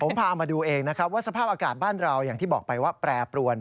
ผมพามาดูเองนะครับว่าสภาพอากาศบ้านเราอย่างที่บอกไปว่าแปรปรวน